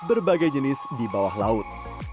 berbagai jenis di bawah laut